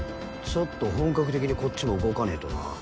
ちょっと本格的にこっちも動かねぇとな。